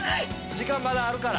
時間まだあるから。